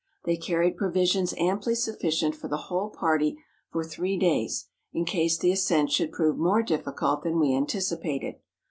They carried provisions amply sufficient for the whole party for three days, in case the ascent should prove more difficult than we anti¬ cipated.